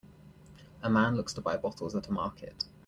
A man looks to buy bottles at a market.